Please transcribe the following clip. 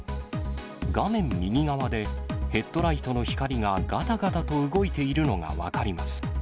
画面右側で、ヘッドライトの光ががたがたと動いているのが分かります。